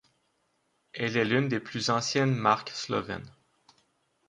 Elle est l'une des plus anciennes marques slovènes.